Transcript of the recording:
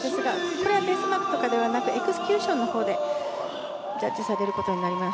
これはベースマークとかではなくエクスキューションのほうでジャッジされることになります。